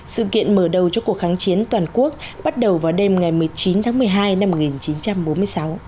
sự kiện mở đầu cho cuộc kháng chiến toàn quốc bắt đầu vào đêm ngày một mươi chín tháng một mươi hai năm một nghìn chín trăm bốn mươi sáu